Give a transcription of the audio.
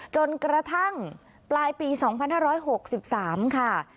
จนกระทั่งปลายปี๒๕๖๓ค่ะ